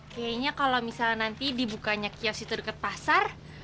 kayaknya kalau misalnya nanti dibukanya kios itu dekat pasar